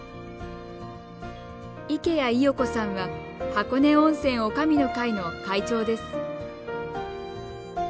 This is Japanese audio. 池谷伊代子さんは箱根温泉おかみの会の会長です。